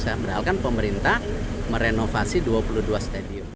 sedangkan pemerintah merenovasi dua puluh dua stadion